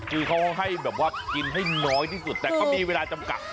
คือเขาให้แบบว่ากินให้น้อยที่สุดแต่ก็มีเวลาจำกัด